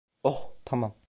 Oh, tamam.